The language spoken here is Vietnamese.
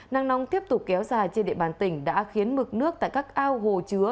năng nóng tiếp tục kéo dài trên địa bàn tỉnh đã khiến mực nước tại các ao hồ chứa